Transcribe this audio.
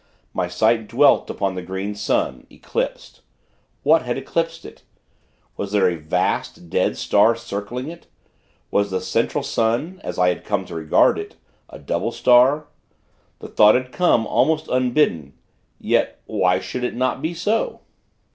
My sight dwelt upon the Green Sun eclipsed. What had eclipsed it? Was there a vast, dead star circling it? Was the Central Sun as I had come to regard it a double star? The thought had come, almost unbidden; yet why should it not be so?